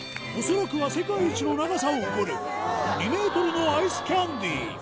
恐らくは世界一の長さを誇る２ｍのアイスキャンディー